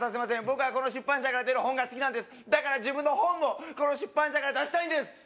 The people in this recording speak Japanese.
僕はこの出版社から出る本が好きなんですだから自分の本もこの出版社から出したいんです